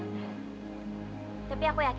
tapi aku yakin mas erwin bisa membahagiakan aku